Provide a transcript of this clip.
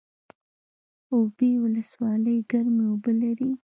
اوبې ولسوالۍ ګرمې اوبه لري؟